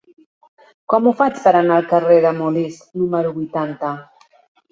Com ho faig per anar al carrer de Molist número vuitanta?